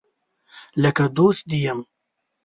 لکه دوست دي یم